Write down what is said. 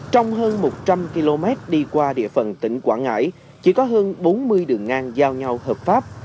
trong hơn một trăm linh km đi qua địa phận tỉnh quảng ngãi chỉ có hơn bốn mươi đường ngang giao nhau hợp pháp